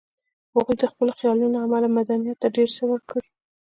هغوی د خپلو خیالونو له امله مدنیت ته ډېر څه ورکړي